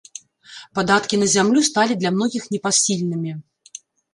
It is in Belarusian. Падаткі на зямлю сталі для многіх непасільнымі.